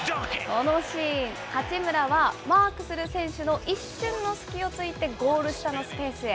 このシーン、八村はマークする選手の一瞬の隙をついてゴール下のスペースへ。